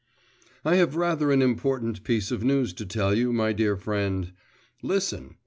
I have rather an important piece of news to tell you, my dear friend. Listen!